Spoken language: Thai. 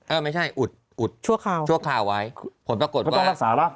เออไม่ใช่อุดอุดชั่วคาวชั่วคาวไว้ผลปรากฏว่า